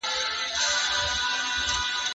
چپنه د مور له خوا پاکه کيږي؟!